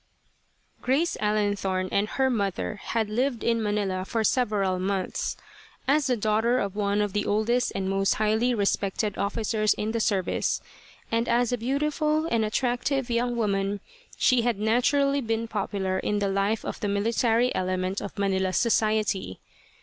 Grace Allenthorne and her mother had lived in Manila for several months. As the daughter of one of the oldest and most highly respected officers in the service, and as a beautiful and attractive young woman, she had naturally been popular in the life of the military element of Manila's society.